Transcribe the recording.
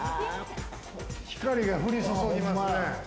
光が降り注ぎますね。